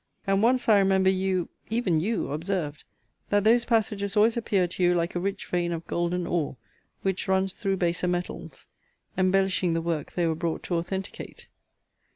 And once I remember you, even you, observed, that those passages always appeared to you like a rich vein of golden ore, which runs through baser metals; embellishing the work they were brought to authenticate.